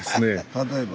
例えば。